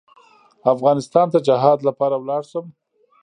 افغانستان ته جهاد لپاره ولاړ شم.